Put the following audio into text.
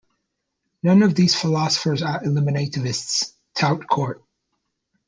None of these philosophers are eliminativists "tout court".